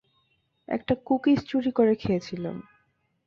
একটা কুকিজ চুরি করে খেয়েছিলাম।